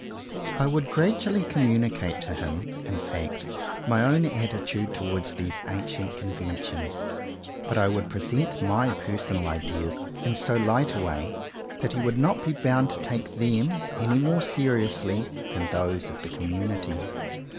I would gradually communicate to him, in fact, my own attitude towards these ancient conventions, but I would present my per sonal ideas in so light a way, that he would not be bound to take them any more serious ly than those of the Community.